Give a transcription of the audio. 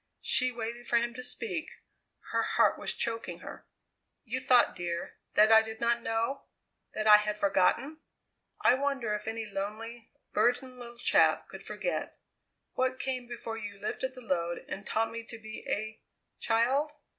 She waited for him to speak, her heart was choking her. "You thought, dear, that I did not know that I had forgotten? I wonder if any lonely, burdened little chap could forget what came before you lifted the load and taught me to be a child?